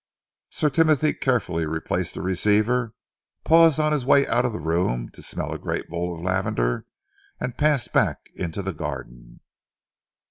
Sir Timothy carefully replaced the receiver, paused on his way out of the room to smell a great bowl of lavender, and passed back into the garden.